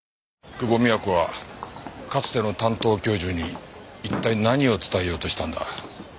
久保美也子はかつての担当教授に一体何を伝えようとしたんだ。